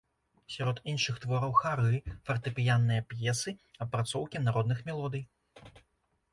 Сярод іншых твораў хары, фартэпіянныя п'есы, апрацоўкі народных мелодый.